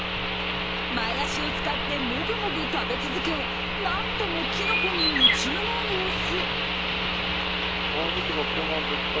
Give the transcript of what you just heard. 前足を使って、もぐもぐ食べ続け、なんともきのこに夢中な様子。